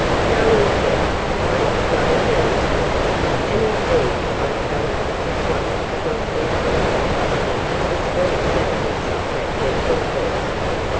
"No indeed!" I exclaimed earnestly. And indeed I felt as if one could not easily tire of the sweet sadness of that gentle voice.